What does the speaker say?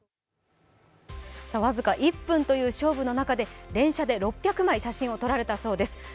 僅か１分という勝負の中で連写で６００枚写真を撮られたそうです。